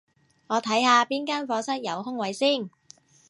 我睇下邊間課室有空位先